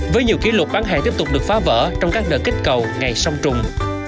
với nhiều kỷ lục bán hàng tiếp tục được phá vỡ trong các đợt kích cầu ngày song trùng